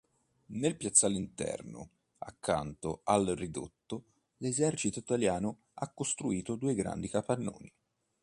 Nel piazzale interno, accanto al ridotto, l'Esercito Italiano ha costruito due grandi capannoni.